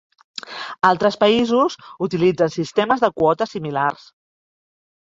Altres països utilitzen sistemes de quotes similars.